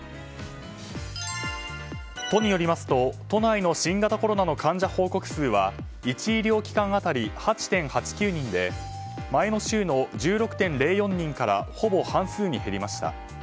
都によりますと、都内の新型コロナの患者報告数は１医療機関当たり８．８９人で前の週の１６．０４人からほぼ半数に減りました。